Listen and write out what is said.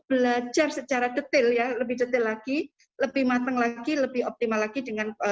belajar secara detail ya lebih detail lagi lebih matang lagi lebih optimal lagi dengan